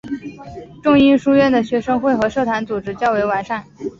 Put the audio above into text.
仲英书院的学生会和社团组织较为完善。